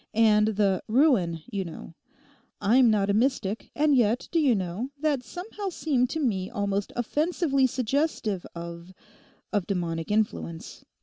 And the "ruin," you know. I'm not a mystic; and yet do you know, that somehow seemed to me almost offensively suggestive of—of demonic influence.